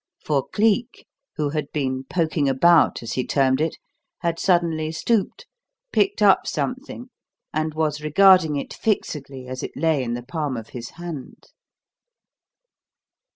For Cleek, who had been "poking about," as he termed it, had suddenly stooped, picked up something, and was regarding it fixedly as it lay in the palm of his hand.